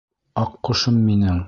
Аҡҡошом минең.